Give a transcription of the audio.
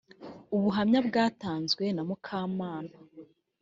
ubuhamya bwatanzwe na mukamana